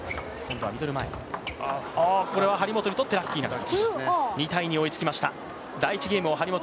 これは張本にとってラッキーな形。